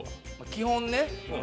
基本ね。